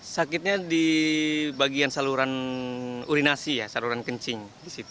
sakitnya di bagian saluran urinasi ya saluran kencing